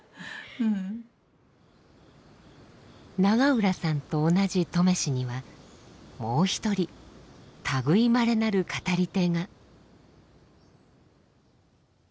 永浦さんと同じ登米市にはもう一人類いまれなる語り手が。